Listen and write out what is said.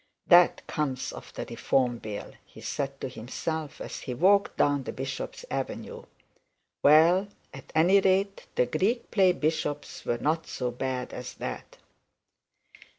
'That comes of the reform bill,' he said to himself as he walked down the bishop's avenue. 'Well, at any rate the Greek play bishops were not so bad as that.'